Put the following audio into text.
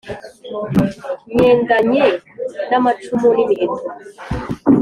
Nyendanye n'amacumu n imiheto